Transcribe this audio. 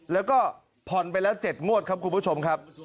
แล้วก็ผ่อนไปแล้ว๗งวดครับคุณผู้ชมครับ